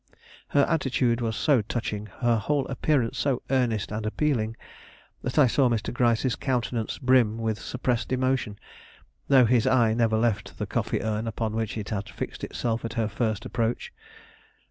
Her attitude was so touching, her whole appearance so earnest and appealing, that I saw Mr. Gryce's countenance brim with suppressed emotion, though his eye never left the coffee urn upon which it had fixed itself at her first approach.